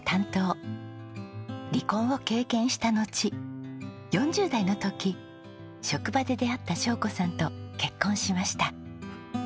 離婚を経験したのち４０代の時職場で出会った晶子さんと結婚しました。